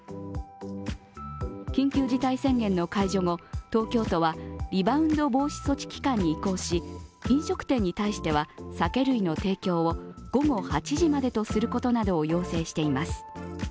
緊急事態宣言の解除後、東京都はリバウンド防止措置期間に移行し飲食店に対しては酒類の提供を午後８時までとすることなどを要請しています。